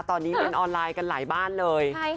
ตอนนี้เล่นออนไลน์กันหลายบ้านเลย